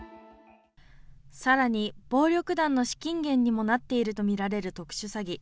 さらに暴力団の資金源にもなっていると見られる特殊詐欺。